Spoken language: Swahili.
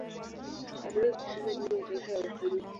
Aliwahi kucheza timu ya taifa ya Uturuki.